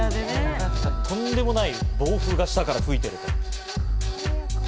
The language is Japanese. とんでもない暴風が下から吹いていると。